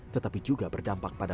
tetapi juga berdampak pada